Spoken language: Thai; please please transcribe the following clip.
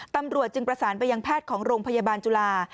ตำรวจจึงประสานไปยังแพทย์ของโรงพยาบาลจุฬา